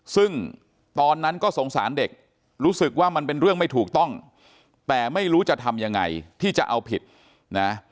ซึ่งตอนนั้นก็สงสารเด็กรู้สึกว่ามันเป็นเรื่องไม่ถูกต้องแต่ไม่รู้จะทำยังไงที่จะเอาผิดนะ